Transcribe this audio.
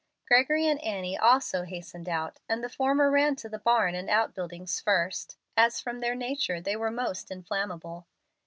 Gregory and Annie also hastened out, and the former ran to the barn and out buildings first, as from their nature they were most inflammable.